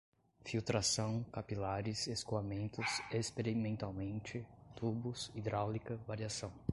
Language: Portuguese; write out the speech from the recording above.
filtração, capilares, escoamentos, experimentalmente, tubos, hidráulica, variação